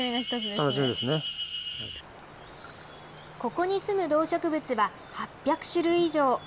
ここに住む動植物は８００種類以上。